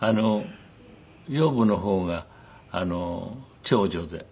養母の方が長女で。